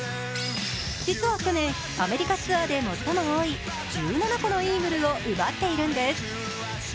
実は去年、アメリカツアーで最も多い１７個のイーグルを奪っているんです。